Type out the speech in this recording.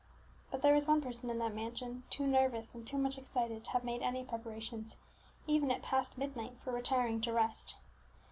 But there was one person in that mansion too nervous and too much excited to have made any preparations, even at past midnight, for retiring to rest.